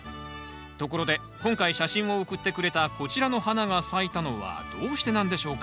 ところで今回写真を送ってくれたこちらの花が咲いたのはどうしてなんでしょうか？